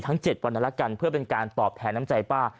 ทั้งเจ็ดวันละกันเพื่อเป็นการตอบแผนน้ำใจป้า